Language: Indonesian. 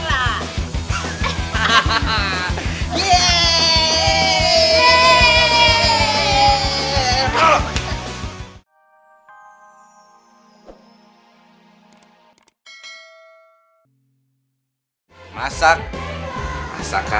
nanti kembali padaku